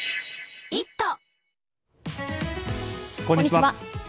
こんにちは。